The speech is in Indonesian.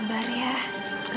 lebih baik kita tunggu aja